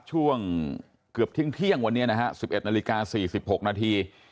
ช่วงเกือบทิ้งเที่ยงวันนี้นะฮะ๑๑นาฬิกา๔๖นาที